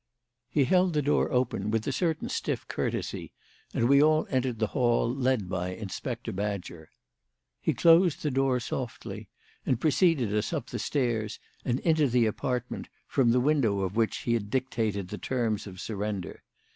He held the door open with a certain stiff courtesy, and we all entered the hall led by Inspector Badger. He closed the door softly and preceded us up the stairs and into the apartment from the window of which he had dictated the terms of surrender.